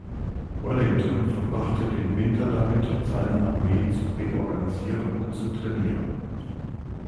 Wellington verbrachte den Winter damit, seine Armee zu reorganisieren und zu trainieren.